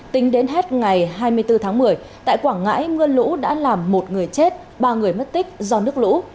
tính đến hết ngày hai mươi bốn tháng một mươi tại quảng ngãi mưa lũ đã làm một người chết ba người mất tích do nước lũ